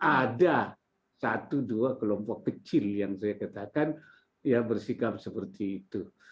ada satu dua kelompok kecil yang saya katakan ya bersikap seperti itu